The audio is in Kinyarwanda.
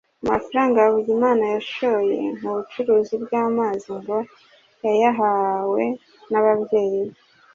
Amafaranga Havugimana yashoye mu bucuruzi bw’amagi ngo yayahawe n’ababyeyi be